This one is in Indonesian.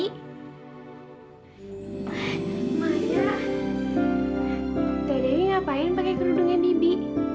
maya tedewi ngapain pake kerudungnya bibi